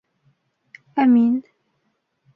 Ә мин...